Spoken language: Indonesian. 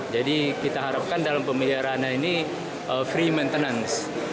jadi kita harapkan dalam pembelian rana ini free maintenance